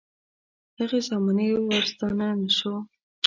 هغې زمانې ورستانه نه شو.